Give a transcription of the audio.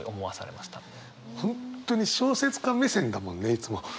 本当に小説家目線だもんねいつも。